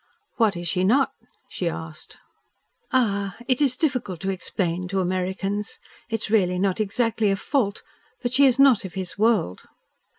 "What is she not?" she asked. "Ah! it is difficult to explain to Americans. It is really not exactly a fault. But she is not of his world."